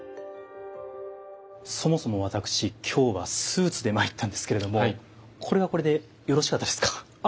そもそも私今日はスーツで参ったんですけれどもこれはこれでよろしかったですか？